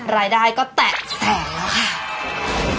รายได้ก็แตะแสนแล้วค่ะ